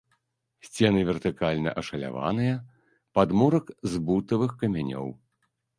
Сцены вертыкальна ашаляваныя, падмурак з бутавых камянёў.